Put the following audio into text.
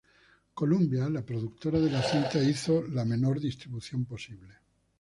Columbia, la productora de la cinta, hizo la menor distribución posible.